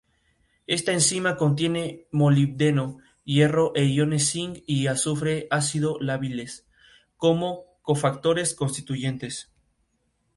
Esta enzima contiene molibdeno, hierro e iones cinc y azufre ácido-lábiles como cofactores constituyentes.